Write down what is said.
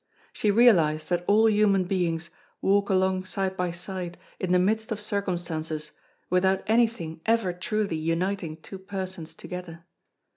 She realized that all human beings walk along side by side in the midst of circumstances without anything ever truly uniting two persons together.